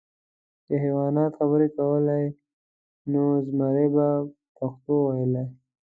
که حیواناتو خبرې کولی، نو زمری به پښتو ویله .